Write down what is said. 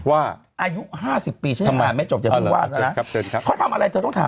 ว่าอายุ๕๐ปีไม่จบเกี่ยวดังว่า